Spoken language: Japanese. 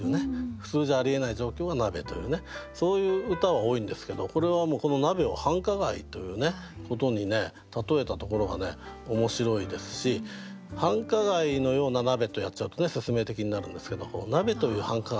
普通じゃありえない状況が鍋というねそういう歌は多いんですけどこれはもうこの鍋を繁華街ということに例えたところが面白いですし「繁華街のような鍋」とやっちゃうと説明的になるんですけど「鍋という繁華街」